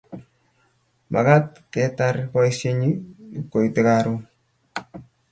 Makat kaketar poisyoni ngipkoite karon.